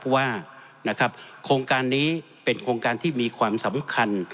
ว่าโครงการนี้เป็นโครงการที่มีความสำคัญ